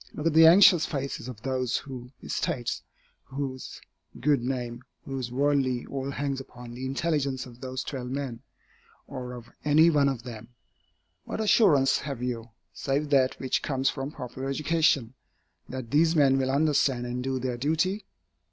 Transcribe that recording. Look at the anxious faces of those whose estates, whose good name, whose worldly all hangs upon the intelligence of those twelve men, or of any one of them. What assurance have you, save that which comes from popular education, that these men will understand and do their duty?